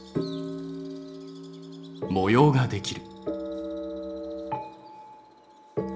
模様ができる。